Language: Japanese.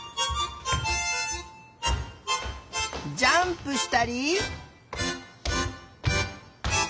ジャンプしたり。